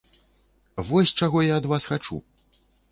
Вось чаго я ад вас хачу.